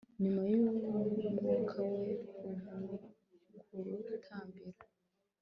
nyuma yumwuka we winkumi kurutambiro